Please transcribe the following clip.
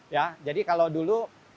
ya jadi kalau dulu